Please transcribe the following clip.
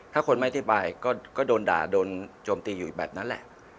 ถ้าคนไม่อธิบายก็โดนด่าโดนโจมตีอยู่อีกแบบนั้นแหละ